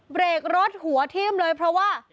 เบรกรถหัวทิ้มเลยเพราะว่า